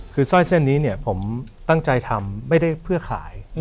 คือสร้อยเส้นนี้เนี่ยผมตั้งใจทำไม่ได้เพื่อขาย